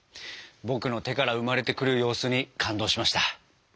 僕の手から生まれてくる様子に感動しました。